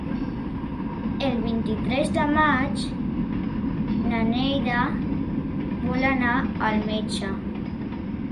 El vint-i-tres de maig na Neida vol anar al metge.